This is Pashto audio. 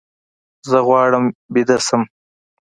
زه غواړم ویده شم